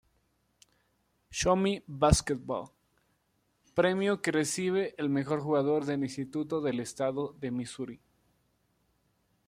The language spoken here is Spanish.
Show-Me Basketball", premio que recibe el mejor jugador de instituto del estado de Missouri.